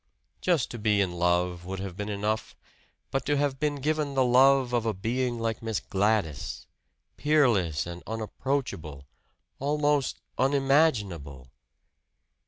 Just to be in love would have been enough. But to have been given the love of a being like Miss Gladys peerless and unapproachable, almost unimaginable!